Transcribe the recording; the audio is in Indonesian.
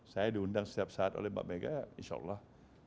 saya diundang setiap saat oleh mbak mega insya allah